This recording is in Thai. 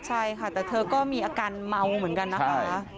ใช่ค่ะแต่เธอก็มีอาการเมาเหมือนกันนะคะ